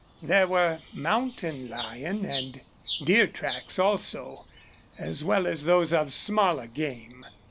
There were mountain lion and deer tracks also, as well as those of smaller game.